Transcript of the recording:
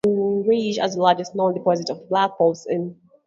Lightning Ridge has the largest known deposits of black opals in the world.